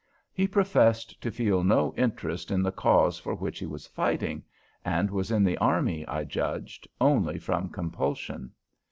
He professed to feel no interest in the cause for which he was fighting, and was in the army, I judged, only from compulsion.